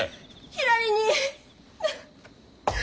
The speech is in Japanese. ひらりに。